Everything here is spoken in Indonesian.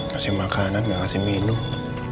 ngasih makanan gak ngasih minum